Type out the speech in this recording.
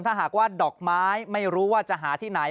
ถ้าหากว่าดอกไม้ไม่รู้ว่าจะหาที่ไหน